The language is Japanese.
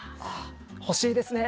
欲しいですね。